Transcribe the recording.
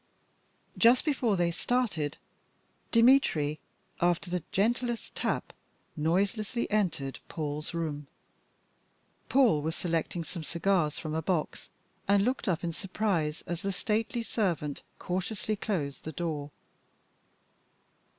Just before they started, Dmitry, after the gentlest tap, noiselessly entered Paul's room. Paul was selecting some cigars from a box, and looked up in surprise as the stately servant cautiously closed the door.